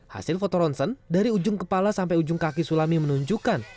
hasil foto ronsen dari ujung kepala sampai ujung kaki sulami menunjukkan